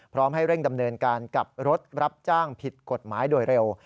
พร้อมให้เร่งดำเนินการกับรถรับจ้างผิดกฎหมายโดยเร็ว